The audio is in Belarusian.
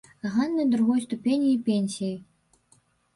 Ганны другой ступені і пенсіяй.